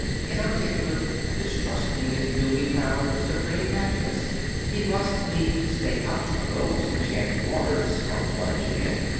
Inarticulate, distrusting his newly found supreme happiness, he must needs stay out of those enchanted waters or plunge again.